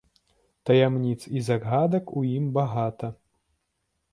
Таямніц і загадак у ім багата.